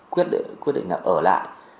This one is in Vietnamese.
quyết định là ở lại